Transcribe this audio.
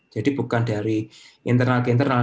jadi bukan dari internal ke internal